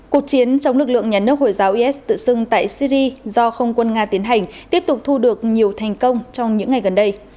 cuộc chiến chống lực lượng nhà nước hồi giáo is tự xưng tại syri do không quân nga tiến hành tiếp tục thu được nhiều thành công trong những ngày gần đây